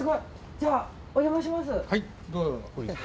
じゃあお邪魔します。